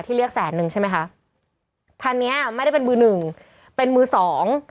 เรียกแสนนึงใช่ไหมคะคันเนี้ยไม่ได้เป็นมือหนึ่งเป็นมือสอง